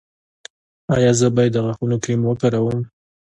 ایا زه باید د غاښونو کریم وکاروم؟